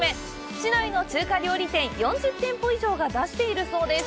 市内の中華料理店４０店舗以上が出しているそうです。